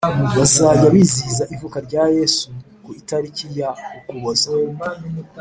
Bazajya bizihiza ivuka rya yesu ku itariki ya ukuboza